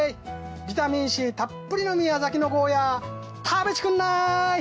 ビタミンＣたっぷりの宮崎のゴーヤー食べてくんなーい！